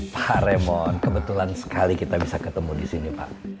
pak remon kebetulan sekali kita bisa ketemu di sini pak